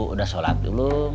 udah sholat dulu